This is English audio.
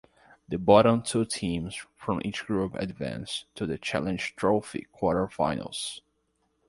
The bottom two teams from each group advance to the Challenge Trophy quarterfinals.